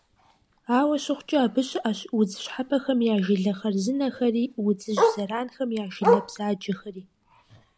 Ауэ щыхъукӀэ, абы щыӀэщ удз щхьэпэхэм я жылэ хъарзынэхэри удзыжь зэранхэм я жылэ бзаджэхэри.